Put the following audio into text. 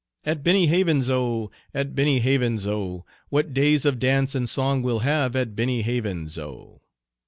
At Benny Havens' O, at Benny Havens' O, What days of dance and song we'll have at Benny Havens' O!